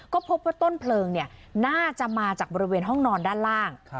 ก็พบว่าต้นเพลิงน่าจะมาจากบริเวณห้องนอนด้านล่าง